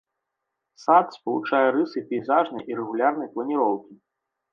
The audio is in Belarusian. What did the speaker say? Сад спалучае рысы пейзажнай і рэгулярнай планіроўкі.